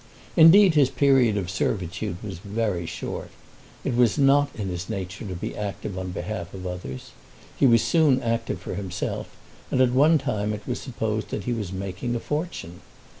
Indeed his period of servitude was very short. It was not in his nature to be active on behalf of others. He was soon active for himself, and at one time it was supposed that he was making a fortune.